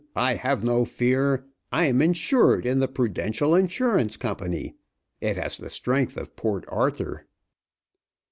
I have no fear. I am insured in the Prudential Insurance Company. It has the strength of Port Arthur."